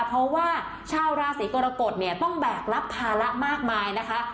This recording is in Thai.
เพราะว่าชาวราศีกรกฎเนี่ยต้องแบกรับภาระมากมายนะคะ